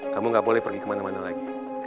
kamu gak boleh pergi kemana mana lagi